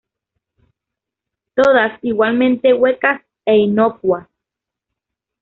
Todas igualmente huecas e inocuas.